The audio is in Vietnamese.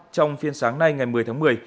trong phiên sáng nay ngày một mươi tháng một mươi